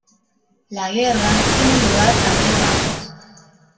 La guerra tiene lugar a tres bandos.